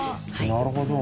なるほど。